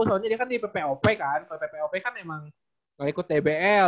soalnya dia kan di ppop kan ppop kan emang gak ikut dbl